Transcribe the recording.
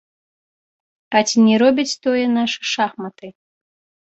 А ці не робяць тое нашы шахматы?